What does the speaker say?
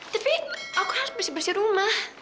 tapi aku harus bersih bersih rumah